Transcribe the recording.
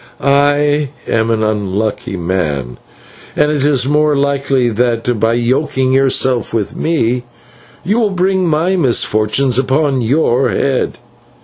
I am an unlucky man, and it is more likely that, by yoking yourself with me, you will bring my misfortunes upon your head.